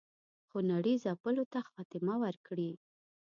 خونړي ځپلو ته خاتمه ورکړي.